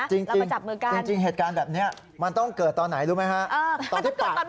จริงเหตุการณ์อย่างนี้มันต้องเกิดตอนไหนรู้ไหมครับ